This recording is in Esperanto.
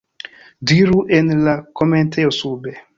Diru en la komentejo sube.